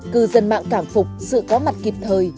cư dân mạng cảm phục sự có mặt kịp thời